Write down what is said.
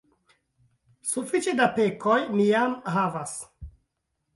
sufiĉe da pekoj mi jam havas.